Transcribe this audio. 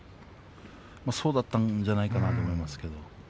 そうだったんじゃないかなと思いますけど。